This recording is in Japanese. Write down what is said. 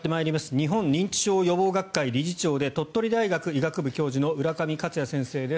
日本認知症予防学会理事長で鳥取大学医学部教授の浦上克哉先生です。